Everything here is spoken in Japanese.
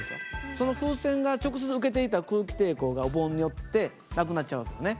その風船が直接受けていた空気抵抗がお盆によってなくなっちゃう訳よね。